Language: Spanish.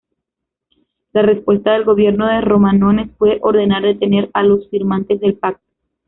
La respuesta del gobierno de Romanones fue ordenar detener a los firmantes del pacto.